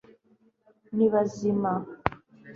ni bazima